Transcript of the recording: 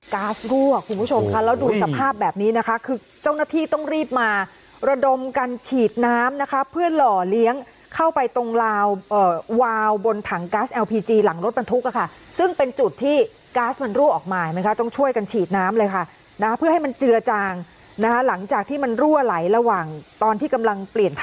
๊าซรั่วคุณผู้ชมค่ะแล้วดูสภาพแบบนี้นะคะคือเจ้าหน้าที่ต้องรีบมาระดมกันฉีดน้ำนะคะเพื่อหล่อเลี้ยงเข้าไปตรงลาววาวบนถังก๊าซเอลพีจีหลังรถบรรทุกค่ะซึ่งเป็นจุดที่ก๊าซมันรั่วออกมาไหมคะต้องช่วยกันฉีดน้ำเลยค่ะนะเพื่อให้มันเจือจางนะคะหลังจากที่มันรั่วไหลระหว่างตอนที่กำลังเปลี่ยนท